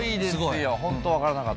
ホント分からなかった。